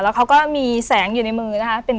แล้วเขาก็มีแสงอยู่ในมือนะคะ